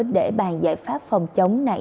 để bàn giải pháp phòng chống nạn